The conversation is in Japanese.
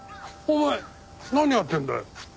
お前何やってんだよ？